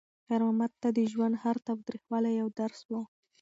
خیر محمد ته د ژوند هر تریخوالی یو درس و.